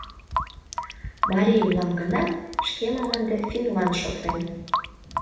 — Марий улам гынат, шкемым ынде финнлан шотлем...